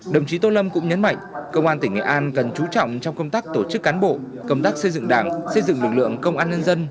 đồng chí tô lâm cũng nhấn mạnh công an tỉnh nghệ an cần chú trọng trong công tác tổ chức cán bộ công tác xây dựng đảng xây dựng lực lượng công an nhân dân